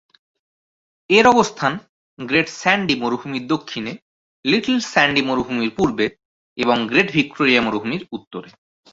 এর অবস্থান Great Sandy মরুভূমির দক্ষিণে, লিটল স্যান্ডি মরুভূমির পূর্বে এবং গ্রেট ভিক্টোরিয়া মরুভূমির উত্তরে।